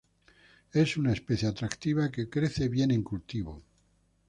Es una especie atractiva que crece bien en cultivo.